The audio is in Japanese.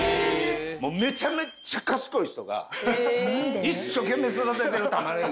めちゃめちゃ賢い人が一生懸命育ててるタマネギ。